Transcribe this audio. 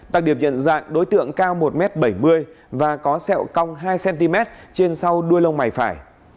đặc điểm nhận dạng đối tượng cao một m bảy mươi và có sẹo cong hai cm trên sau đuôi lông mày phải